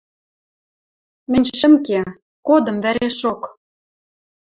Мӹнь шӹм ке, кодым вӓрешок.